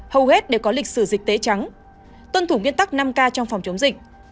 hầu hết để có lịch sử dịch tế trắng tuân thủ nguyên tắc năm k trong phòng chống dịch